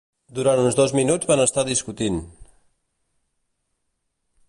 Durant uns dos minuts van estar discutint.